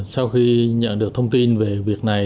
sau khi nhận được thông tin về việc này